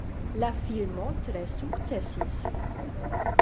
La filmo tre sukcesis.